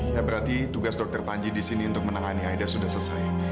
ya berarti tugas dokter panji di sini untuk menangani aida sudah selesai